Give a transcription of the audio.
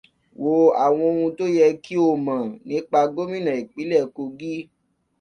Wo àwọn ohun tó yẹ kí o mọ̀ nípa gómìnà ìpínlẹ̀ kogí.